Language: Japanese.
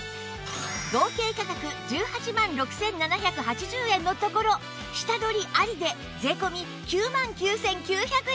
合計価格１８万６７８０円のところ下取りありで税込９万９９００円